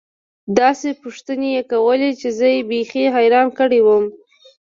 داسې پوښتنې يې کولې چې زه يې بيخي حيران کړى وم.